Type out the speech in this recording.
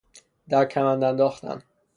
در کمند انداختن